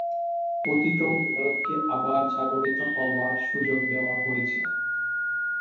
পতিত ভারতকে আবার জাগরিত হবার সুযোগ দেওয়া হয়েছে।